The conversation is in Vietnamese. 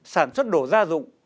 sản xuất đồ gia dụng